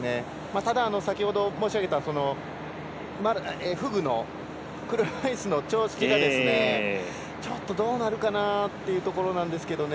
ただ、先ほど、申し上げたフグの車いすの調子がちょっと、どうなるかなっていうところなんですけどね。